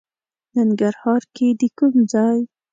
ننګرهار کې د کوم ځای؟